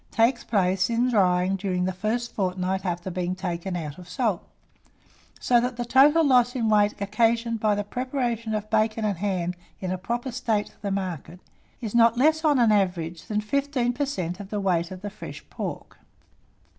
takes place in drying during the first fortnight after being taken out of salt; so that the total loss in weight occasioned by the preparation of bacon and hams in a proper state for market, is not less on an average than fifteen per cent. on the weight of the fresh pork.